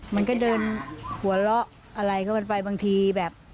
มันก็เดินหัวเราะอะไรเข้าไปบางทีแบบ